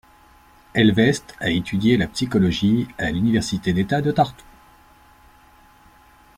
Ehlvest a étudié la psychologie à l'Université d'État de Tartu.